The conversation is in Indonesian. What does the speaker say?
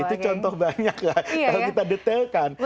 itu contoh banyak lah kalau kita detailkan